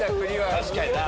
確かにな。